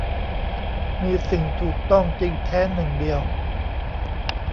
มีสิ่งถูกต้องจริงแท้หนึ่งเดียว